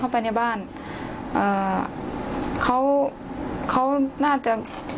ก็ดังที่ไหนของเธอ